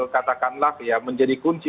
katakanlah menjadi kunci